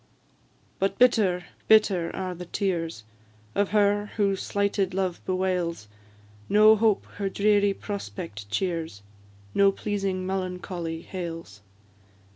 But bitter, bitter are the tears Of her who slighted love bewails; No hope her dreary prospect cheers, No pleasing melancholy hails.